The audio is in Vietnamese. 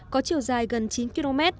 có chiều dài gần chín km